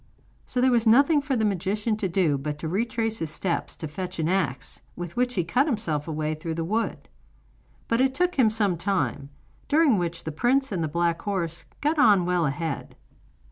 So there was nothing for the magician to do but to retrace his steps, to fetch an axe, with which he cut himself a way through the wood. But it took him some time, during which the prince and the black horse got on well ahead.